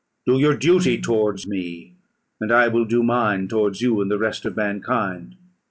Do your duty towards me, and I will do mine towards you and the rest of mankind.